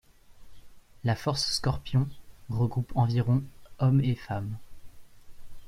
La force Scorpion regroupe environ hommes et femmes.